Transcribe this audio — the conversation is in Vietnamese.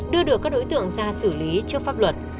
đưa được các đối tượng ra xử lý trước pháp luật